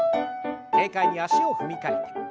軽快に足を踏み替えて。